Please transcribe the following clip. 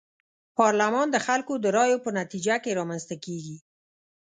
پارلمان د خلکو د رايو په نتيجه کي رامنځته کيږي.